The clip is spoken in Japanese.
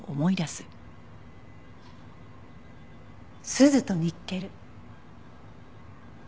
スズとニッケル。